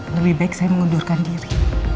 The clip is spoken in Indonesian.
lebih baik saya mengundurkan diri